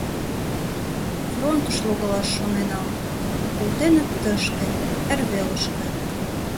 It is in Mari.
Фронтыш логалаш шоненам, а колтеныт тышке, эрвелышке...